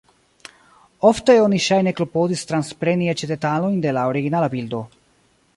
Ofte oni ŝajne klopodis transpreni eĉ detalojn de la originala bildo.